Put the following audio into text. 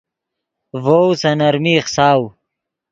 ڤؤ سے نرمی ایخساؤ